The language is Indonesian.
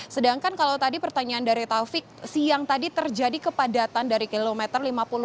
sedangkan kalau tadi pertanyaan dari taufik siang tadi terjadi kepadatan dari kilometer lima puluh